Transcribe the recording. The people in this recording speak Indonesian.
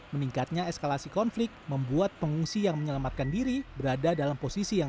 meningkatnya eskalasi konflik membuat pengungsi yang menyelamatkan diri berada dalam posisi yang